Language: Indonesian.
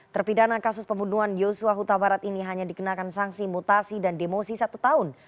terpidana kasus pembunuhan yosua huta barat ini hanya dikenakan sanksi mutasi dan demosi satu tahun